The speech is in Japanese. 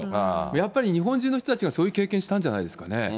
やっぱり日本中の人たちがそういう経験したんじゃないんですかね。